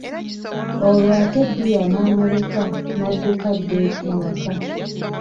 Olwo ate bbiya n'amuleka n'adduka adde ewaka.